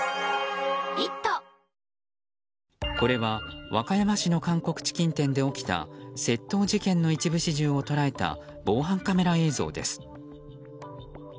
これは和歌山市の韓国チキン店で起きた窃盗事件の一部始終を捉えた防犯カメラ映像です。